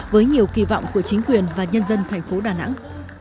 với nhiều kỳ vọng của chính quyền và nhân dân tp đà nẵng